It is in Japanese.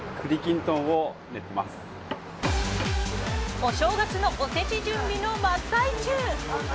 お正月のおせち準備の真っ最中。